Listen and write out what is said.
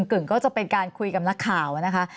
กึ่งก็จะเป็นการคุยกับนักข่าวนะคะ